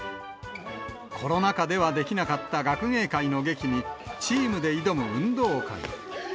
コロナ禍ではできなかった学芸会の劇に、チームで挑む運動会。